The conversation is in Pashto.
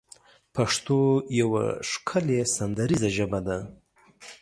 پښتو يوه ښکلې سندريزه ژبه ده